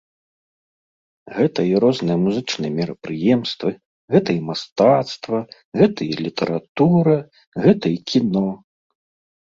Гэта і розныя музычныя мерапрыемствы, гэта і мастацтва, гэта і літаратура, гэта і кіно.